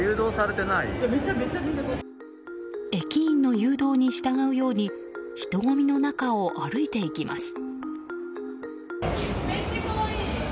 駅員の誘導に従うように人ごみの中を歩いていきます。